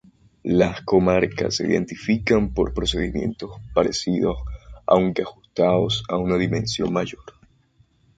Las comarcas se identifican por procedimientos parecidos aunque ajustados a una dimensión mayor.